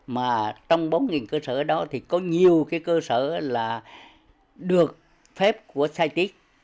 mà trong bốn cơ sở đó thì có nhiều cơ sở là được phép của sitic